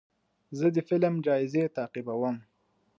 زه د فلم جایزې تعقیبوم.